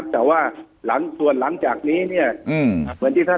แต่ส่วนหลังจากท่า